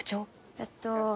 えっと。